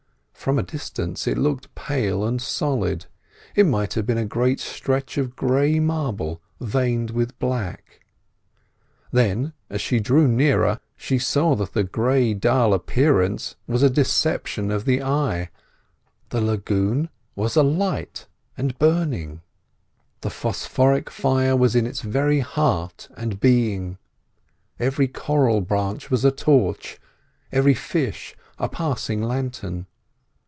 From a distance it looked pale and solid; it might have been a great stretch of grey marble veined with black. Then, as she drew nearer, she saw that the dull grey appearance was a deception of the eye. The lagoon was alight and burning. The phosphoric fire was in its very heart and being; every coral branch was a torch, every fish a passing lantern.